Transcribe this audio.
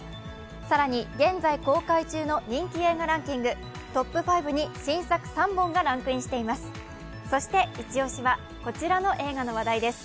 更に現在公開中の人気映画ランキングトップ５に新作３本がランクインしています。